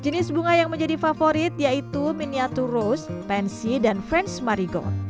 jenis bunga yang menjadi favorit yaitu miniatur rose pensy dan french marigold